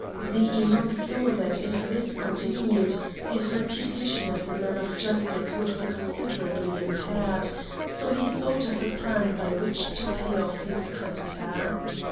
The Imam saw that if this continued, his reputation as a man of justice would be considerably impaired, so he thought of a plan by which to pay off his creditor.